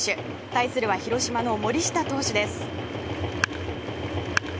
対するは広島の森下投手です。